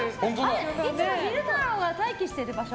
いつも昼太郎が待機してる場所？